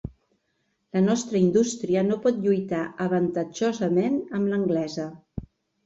La nostra indústria no pot lluitar avantatjosament amb l'anglesa.